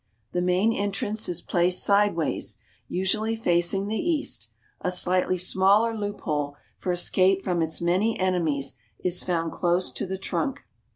The main entrance is placed sideways, usually facing the east; a slightly smaller loop hole for escape from its many enemies is found close to the trunk.